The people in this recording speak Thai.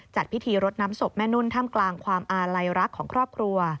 จัดพิธีรดน้ำศพแม่นุ่นท่ามกลางความอาลัยรักของครอบครัว